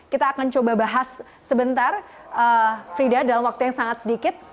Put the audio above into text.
kita akan coba bahas sebentar frida dalam waktu yang sangat sedikit